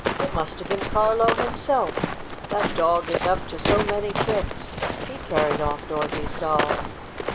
"It must have been Carlo himself. That dog is up to so many tricks. He carried off Dorothy's doll